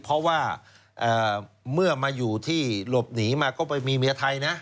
เพราะว่าเมื่อมาอยู่ที่หลบหนีมาก็ไปมีเมียไทยนะ